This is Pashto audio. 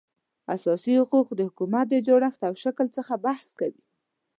اساسي حقوق د حکومت د جوړښت او شکل څخه بحث کوي